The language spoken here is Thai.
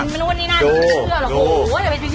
เป็นมนุษย์นี้น่ะหนูไม่เชื่อหรอก